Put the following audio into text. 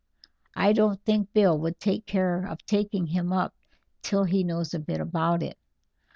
I don't think Bill would care about taking him up till he knows a bit about it.